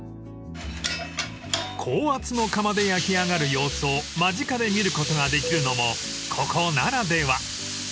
［高圧の釜で焼き上がる様子を間近で見ることができるのもここならでは］